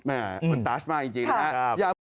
อันตราชมากจริงนะครับอย่าพลาดนะครับ